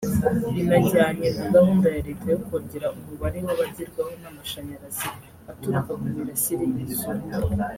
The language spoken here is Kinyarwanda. binajyanye na gahunda ya Leta yo kongera umubare w’abagerwaho n’amashanyarazi aturuka ku mirasire y’izuba